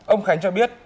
ông khánh cho biết